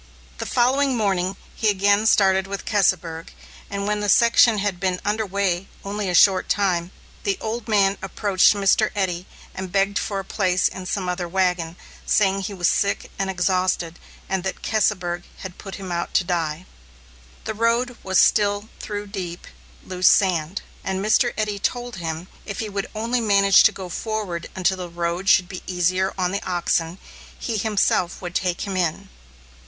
The following morning, he again started with Keseberg, and when the section had been under way only a short time, the old man approached Mr. Eddy and begged for a place in some other wagon, saying he was sick and exhausted, and that Keseberg had put him out to die. The road was still through deep, loose sand, and Mr. Eddy told him if he would only manage to go forward until the road should be easier on the oxen, he himself would take him in.